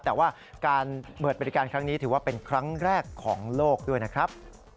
แต่ว่าการเปิดบริการครั้งนี้ถือว่าเป็นครั้งแรกของโลกด้วยนะครับ